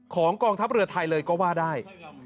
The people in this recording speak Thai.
กองทัพเรือไทยเลยก็ว่าได้